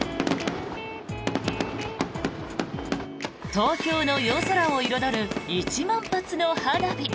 東京の夜空を彩る１万発の花火。